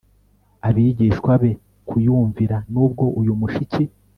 abigishwa be kuyumvira Nubwo uyu mushiki